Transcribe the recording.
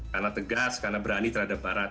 karena tegas karena berani terhadap barat